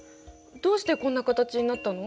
どうしてこんな形になったの？